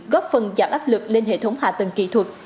góp phần giảm áp lực lên hệ thống hạ tầng kỹ thuật